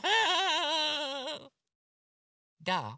どう？